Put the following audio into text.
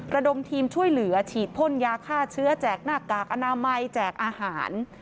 ระดมทีมช่วยเหลือฉีดพ่นยาฆ่าเชื้อแจกหน้ากากอนามัยแจกอาหาร